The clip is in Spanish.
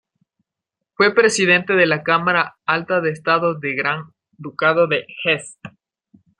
Fue presidente de la Cámara Alta de los estados del Gran Ducado de Hesse.